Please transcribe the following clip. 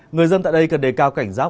người dân tại đây cần đề cao cảnh giác